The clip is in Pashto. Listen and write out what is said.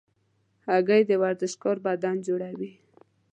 هګۍ د ورزشکار بدن جوړوي.